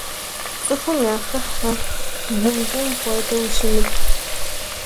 Цӏыхум яхыхьэ, вымпӏум хуэдэу ущымыт.